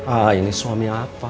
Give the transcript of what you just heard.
ah ini suami apa